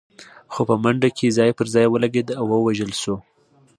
خو په منډه کې ځای پر ځای ولګېد او ووژل شو.